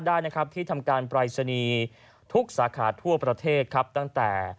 ได้นะครับที่ทำการปรายศนีย์ทุกสาขาทั่วประเทศครับตั้งแต่